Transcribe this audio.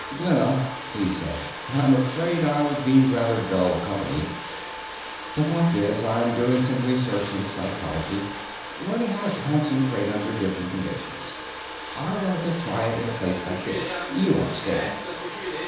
"Glenna," he said, "I'm afraid I'll be rather dull company. The fact is I'm doing some research in psychology, learning how to concentrate under different conditions. I wanted to try it in a place like this, you understand."